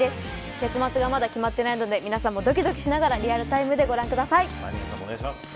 結末がまだ決まってないので皆さんもどきどきしながらリアルタイムでお願いします。